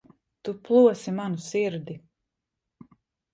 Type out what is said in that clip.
Tu plosi manu sirdi.